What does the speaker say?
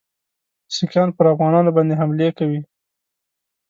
سیکهان پر افغانانو باندي حملې کوي.